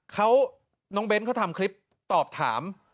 เขาน้องเบ้นเขาทำคลิปตอบถาม